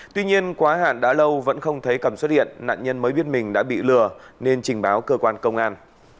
tuy nhiên quá hạn đã lâu vẫn không thấy cầm xuất hiện nạn nhân mới biết mình đã bị lừa nên trình báo cơ quan công an